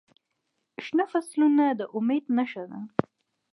شنه فصلونه د امید نښه ده.